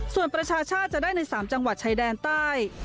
ส่วนประชาชาติจะได้ใน๓จังหวัดชายแดนใต้